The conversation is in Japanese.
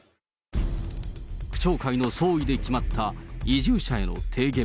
区長会の総意で決まった移住者への提言。